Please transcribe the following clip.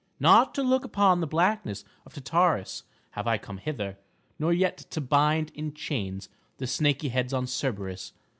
Not to look upon the blackness of Tartarus have I come hither, nor yet to bind in chains the snaky heads on Cerberus.